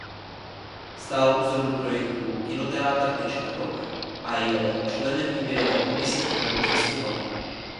Stál u zrodu projektu Kinoteatr.doc a je členem výběrové komise programu festivalu.